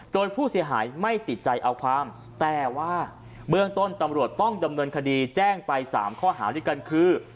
โดยผู้เสียหายไม่ติดใจเอาความแต่ว่าเบื้องต้นตำรวจต้องดำเนินคดีแจ้งไป๓ข้อหาด้วยกันคือ